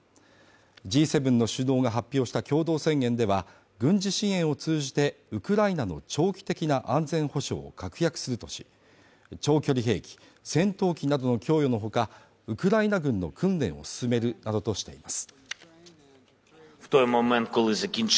Ｇ７の首脳が発表した共同宣言では、軍事支援を通じてウクライナの長期的な安全保障を確約するとし長距離兵器、戦闘機などの供与のほか、ウクライナ軍の訓練を進めるなどとしています